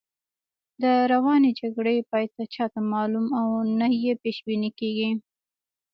د روانې جګړې پای نه چاته معلوم او نه یې پیش بیني کېږي.